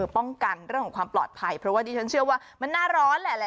ป้องกันเรื่องของความปลอดภัยเพราะว่าดิฉันเชื่อว่ามันน่าร้อนแหละ